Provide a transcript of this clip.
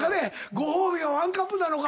ご褒美はワンカップなのか。